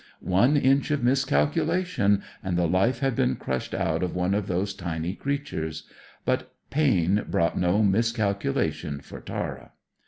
One inch of miscalculation, and the life had been crushed out of one of those tiny creatures. But pain brought no miscalculation for Tara.